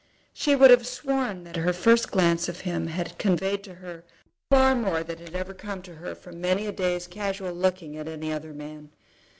She would have sworn that her first glance of him had conveyed to her far more than had ever come to her from many a day's casual looking at any other man.